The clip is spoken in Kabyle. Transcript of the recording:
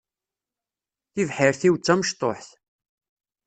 Tibḥirt-iw d tamecṭuḥt.